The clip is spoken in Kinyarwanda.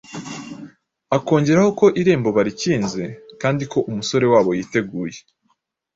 akongeraho ko irembo barikinze kandi ko umusore wabo yiteguye.